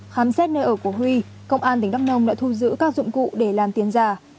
khám xét nơi ở của huy công an tỉnh đắk nông đã thu giữ các dụng cụ để làm tiền giả